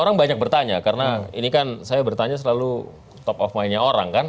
orang banyak bertanya karena ini kan saya bertanya selalu top of mind nya orang kan